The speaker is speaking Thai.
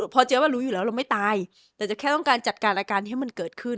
พอเจ๊ว่ารู้อยู่แล้วเราไม่ตายแต่จะแค่ต้องการจัดการอาการให้มันเกิดขึ้น